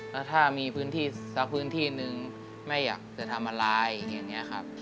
แล้วถ้ามีพื้นที่สักพื้นที่นึงแม่อยากจะทำอะไรอย่างนี้ครับ